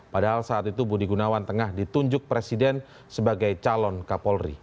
padahal saat itu budi gunawan tengah ditunjuk presidennya